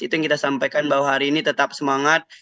itu yang kita sampaikan bahwa hari ini tetap semangat